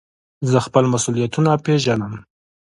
زه خپل مسئولیتونه پېژنم.